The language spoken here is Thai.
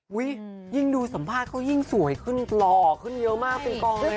ยิ่งดูสัมภาษณ์เขายิ่งสวยขึ้นหล่อขึ้นเยอะมากเป็นกองเลย